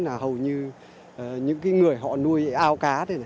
là hầu như những cái người họ nuôi ao cá đây này là chuyển sang nuôi tôm hết